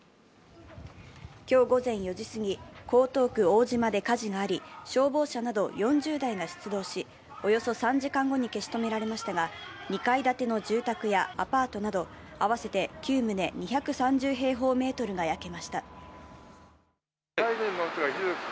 今日午前４時過ぎ、江東区大島で火事があり消防車など４０台が出動しおよそ３時間後に消し止められましたが２階建ての住宅やアパートなど合わせて９棟、２３０平方メートルが焼けました。